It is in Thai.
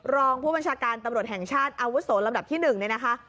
รองผู้บัญชาการตำรวจแห่งชาติอาวุโสลำดับที่๑เนี่ยนะคะ